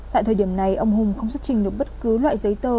tại thời điểm này ông hùng không xuất trình được bất cứ loại giấy tờ